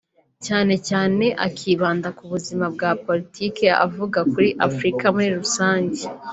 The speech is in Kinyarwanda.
cyane cyane akibanda ku buzima bwa politiki avuga kuri Afurika muri rusange